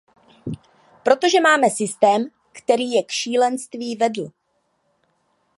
Protože máme systém, který je k šílenství vedl.